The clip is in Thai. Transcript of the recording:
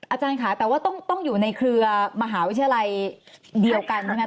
อาจารย์ค่ะแต่ว่าต้องอยู่ในเครือมหาวิทยาลัยเดียวกันใช่ไหม